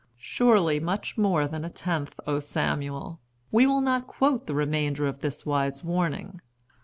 Surely much more than a tenth, O Samuel! We will not quote the remainder of this wise warning.